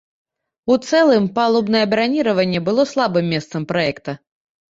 У цэлым, палубнае браніраванне было слабым месцам праекта.